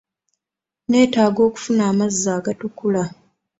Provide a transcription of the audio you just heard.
Netaaga okufuna amazzi agatukula.